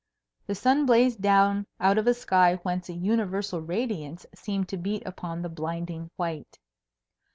The sun blazed down out of a sky whence a universal radiance seemed to beat upon the blinding white.